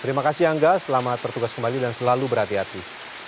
terima kasih angga selamat bertugas kembali dan selalu berhati hati